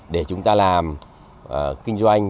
để chúng ta làm kinh doanh